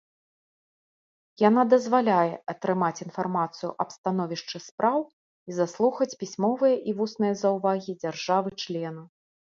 Яна дазваляе атрымаць інфармацыю аб становішчы спраў і заслухаць пісьмовыя і вусныя заўвагі дзяржавы-члена.